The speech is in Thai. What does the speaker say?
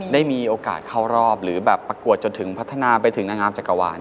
ได้มีโอกาสเข้ารอบหรือแบบประกวดจนถึงพัฒนาไปถึงนางงามจักรวาล